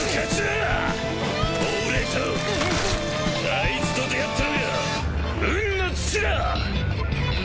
あいつと出会ったのが運の尽きだ！